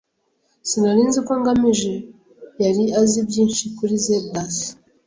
Sinari nzi ko ngamije yari azi byinshi kuri zebrasi.